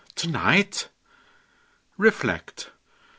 tonight? Reflect.